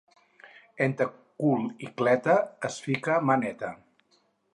Entre cul i cleta es fica mà neta.